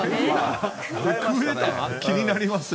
気になりますね。